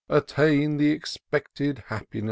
Attain the expected happiness